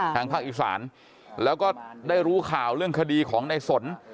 ทางภาคอีสานแล้วก็ได้รู้ข่าวเรื่องคดีของในสน